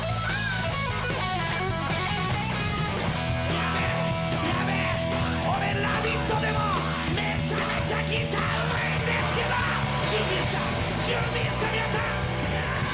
やべえやべえ、俺「ラヴィット！」でもめちゃめちゃギターうめぇんですけど準備いいですか、準備いいですか皆さん！